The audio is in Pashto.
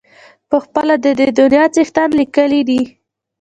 پخپله د دې دنیا څښتن لیکلی دی.